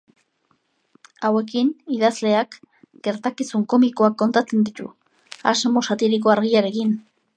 Hauekin idazleak gertakizun komikoak kontatzen ditu asmo satiriko argiarekin.